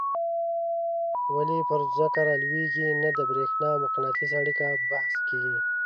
ولي پر ځمکه رالویږي نه د برېښنا او مقناطیس اړیکه بحث کیږي.